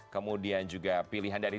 kemudian juga pilihan dari